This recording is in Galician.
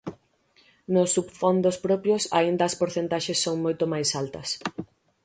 Nos subfondos propios aínda as porcentaxes son moito máis altas.